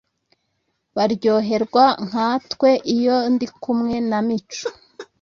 baryoherwa nkatwe iyo ndikumwe na mico